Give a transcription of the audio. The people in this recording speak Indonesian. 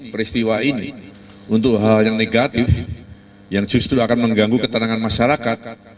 peristiwa ini untuk hal yang negatif yang justru akan mengganggu ketenangan masyarakat